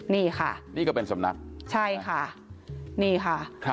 นี่ค่ะนี่ก็เป็นสำนักใช่ค่ะนี่ค่ะ